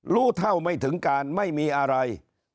รู้เท่าไม่ถึงการไม่มีอะไร